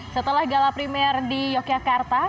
setelah gala primer di yogyakarta